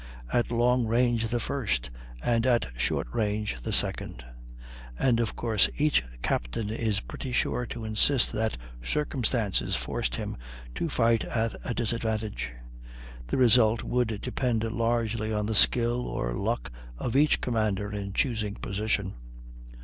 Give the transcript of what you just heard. At long range the first, and at short range the second; and of course each captain is pretty sure to insist that "circumstances" forced him to fight at a disadvantage. The result would depend largely on the skill or luck of each commander in choosing position.